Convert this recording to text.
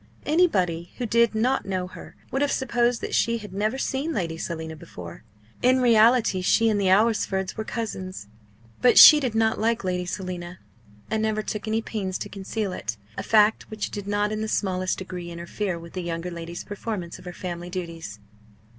Anybody who did not know her would have supposed that she had never seen Lady Selina before. In reality she and the Alresfords were cousins. But she did not like Lady Selina, and never took any pains to conceal it a fact which did not in the smallest degree interfere with the younger lady's performance of her family duties.